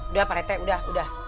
udah parete udah udah